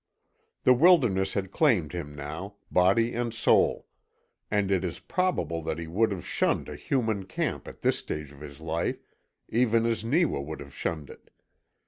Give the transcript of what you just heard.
The wilderness had claimed him now, body and soul, and it is probable that he would have shunned a human camp at this stage of his life, even as Neewa would have shunned it.